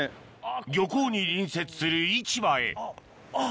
漁港に隣接する市場へあっあっ。